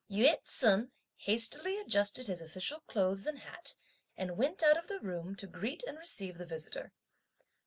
Yü ts'un hastily adjusted his official clothes and hat, and went out of the room to greet and receive the visitor.